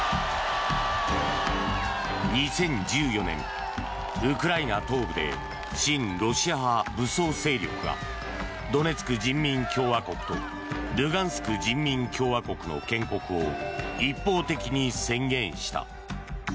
２０１４年、ウクライナ東部で親ロシア派武装勢力がドネツク人民共和国とルガンスク人民共和国の建国を一方的に宣言した。